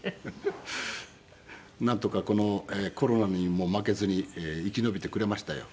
なんとかこのコロナにも負けずに生き延びてくれましたよ。